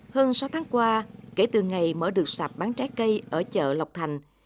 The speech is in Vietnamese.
hơn sáu tháng qua kể từ ngày mở được sạp bán trái cây ở chợ lọc thành